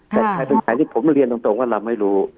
แต่ถึงไหนที่ผมเรียนตรงว่าเราไม่รู้